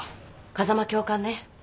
風間教官ね？